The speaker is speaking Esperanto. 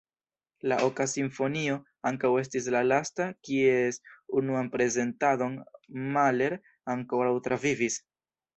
La oka simfonio ankaŭ estis la lasta, kies unuan prezentadon Mahler ankoraŭ travivis.